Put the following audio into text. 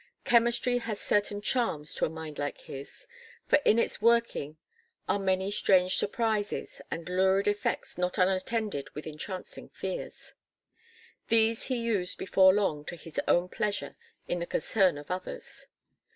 Chemistry has certain charms to a mind like his, for in its working are many strange surprises and lurid effects not unattended with entrancing fears. These he used before long to his own pleasure in the concern of others.